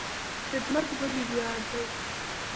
خدمت ولې ویاړ دی؟